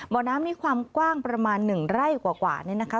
บ่อน้ำนี่ความกว้างประมาณ๑ไร่กว่านี่นะคะ